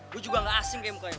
gue juga gak asing kayak mukanya